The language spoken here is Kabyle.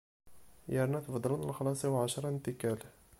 Yerna tbeddleḍ lexlaṣ-iw ɛecṛa n tikkal.